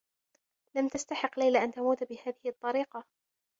لم تستحق ليلى أن تموت بهذه الطّريقة.